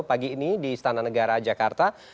pagi ini di istana negara jakarta